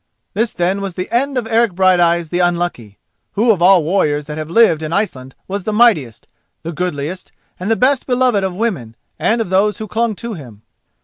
This then was the end of Eric Brighteyes the Unlucky, who of all warriors that have lived in Iceland was the mightiest, the goodliest, and the best beloved of women and of those who clung to him.